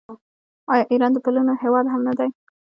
آیا ایران د پلونو هیواد هم نه دی؟